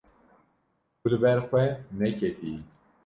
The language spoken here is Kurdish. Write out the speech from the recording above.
Tu li ber xwe neketiyî.